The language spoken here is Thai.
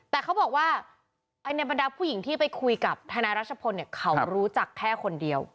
แต่เขาบอกว่าในบรรดาผู้หญิงที่ไปคุยกับทนายรัชพลเนี่ยเขารู้จักแค่คนเดียว